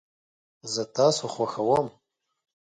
زه تاسو خوښوم